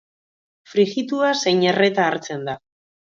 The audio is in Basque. Frijitua zein erreta hartzen da.